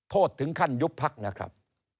โทษถึงขั้นยุบพักนะครับ